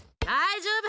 ああ。